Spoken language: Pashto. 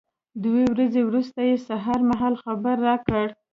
دوې ورځې وروسته یې سهار مهال خبر را کړ.